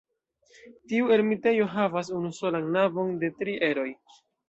Tiu ermitejo havas unusolan navon de tri eroj.